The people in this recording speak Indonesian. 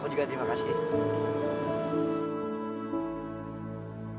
aku juga terima kasih